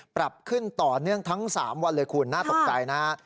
ปรับขึ้นต่อเนื่องทั้ง๓วันเลยคุณน่าตกใจนะฮะ